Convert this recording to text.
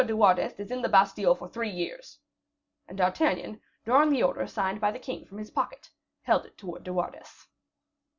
de Wardes is in the Bastile for three years." And D'Artagnan, drawing the order signed by the king from his pocket, held it towards De Wardes.